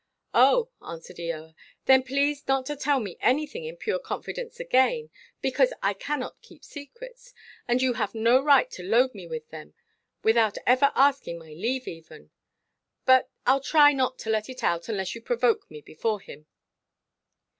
"Oh," answered Eoa, "then please not to tell me anything in pure confidence again, because I canʼt keep secrets, and you have no right to load me with them, without ever asking my leave even. But Iʼll try not to let it out, unless you provoke me before him."